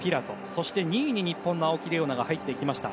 そして２位に日本の青木玲緒樹が入ってきました。